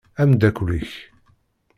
Amdakel-ik.